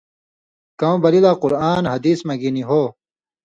کؤں بلی لا قران حدیث مہ گی نی ہو